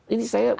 ini saya empiris